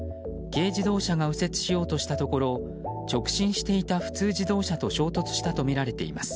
軽自動車が右折しようとしたところ直進していた普通自動車と衝突したとみられています。